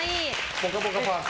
ぽかぽかパーカ。